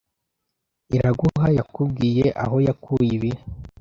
Iraguha yakubwiye aho yakuye ibi?